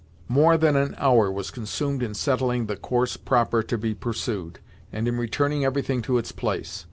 More than an hour was consumed in settling the course proper to be pursued, and in returning everything to its place.